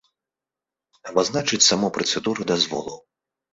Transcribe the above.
Абазначыць саму працэдуру дазволаў.